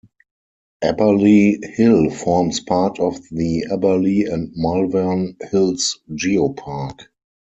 Abberley Hill forms part of the Abberley and Malvern Hills Geopark.